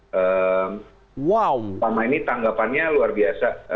selama ini tanggapannya luar biasa